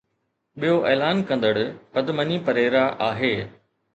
ٻيو اعلان ڪندڙ پدمني پريرا آهي.